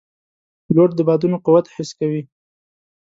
پیلوټ د بادونو قوت حس کوي.